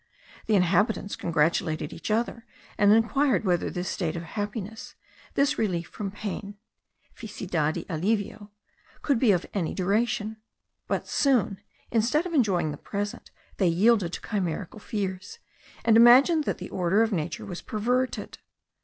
The inhabitants congratulated each other, and inquired whether this state of happiness, this relief from pain (feicidad y alivio), could be of any duration. But soon, instead of enjoying the present, they yielded to chimerical fears, and imagined that the order of nature was perverted.